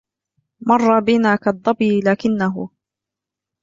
مر بنا كالظبي لكنه